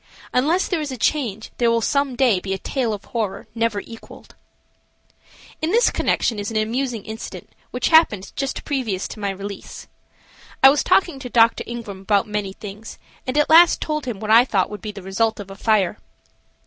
Unless there is a change there will some day be a tale of horror never equaled. In this connection is an amusing incident which happened just previous to my release. I was talking with Dr. Ingram about many things, and at last told him what I thought would be the result of a fire.